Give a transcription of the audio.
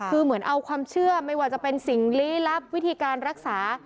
คือเหมือนเอาความเชื่อไม่ว่าจะเป็นสิ่งลี้ลับวิธีการรักษา